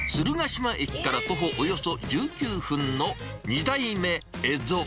しま駅から徒歩およそ１９分の二代目蝦夷。